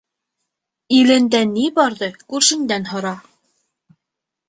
Илендә ни барҙы күршеңдән һора.